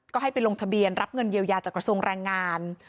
ก็ให้ไปลงทะเบียนรับเงินเยียวยาจากกระทรวงแรงงาน